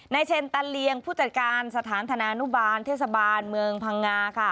เชนตันเลียงผู้จัดการสถานธนานุบาลเทศบาลเมืองพังงาค่ะ